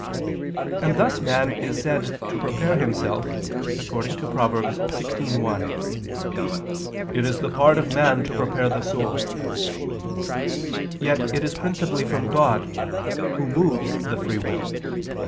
And thus man is said to prepare himself, according to Prov. 16:1: "It is the part of man to prepare the soul"; yet it is principally from God, Who moves the free will.